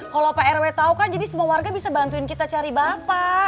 kalau pak rw tahu kan jadi semua warga bisa bantuin kita cari bapak